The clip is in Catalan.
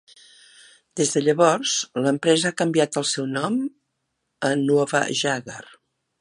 Des de llavors, l'empresa ha canviat el seu nom a "Nuova Jager".